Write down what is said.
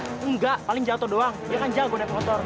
enggak paling jatuh doang dia kan jago naik motor